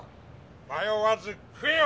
まよわず食えよ！